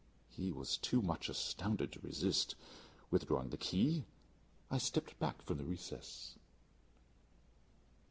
He was too much astounded to resist. Withdrawing the key I stepped back from the recess.